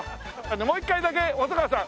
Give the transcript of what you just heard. もう一回だけ細川さん。